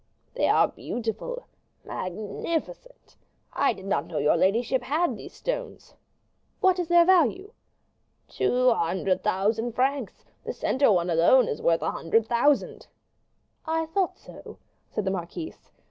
"They are beautiful magnificent. I did not know your ladyship had these stones." "What is their value?" "Two hundred thousand francs. The center one is alone worth a hundred thousand." "I thought so," said the marquise.